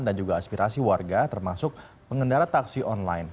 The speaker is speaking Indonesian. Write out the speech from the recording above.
dan juga aspirasi warga termasuk pengendara taksi online